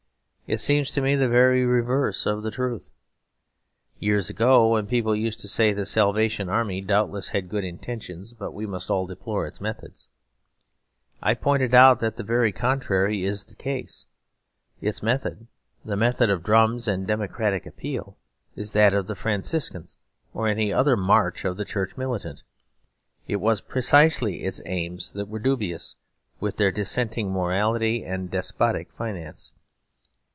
It seems to me the very reverse of the truth. Years ago, when people used to say the Salvation Army doubtless had good intentions, but we must all deplore its methods, I pointed out that the very contrary is the case. Its method, the method of drums and democratic appeal, is that of the Franciscans or any other march of the Church Militant. It was precisely its aims that were dubious, with their dissenting morality and despotic finance.